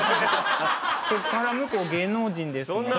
そっから向こう芸能人ですもん。